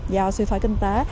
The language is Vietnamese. do suy thoái kinh tế